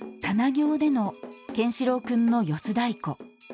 経での健志郎君の四つ太鼓。